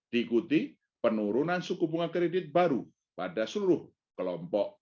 diikuti penurunan suku bunga kredit baru pada seluruh kelompok